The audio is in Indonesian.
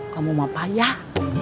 kamu mau payah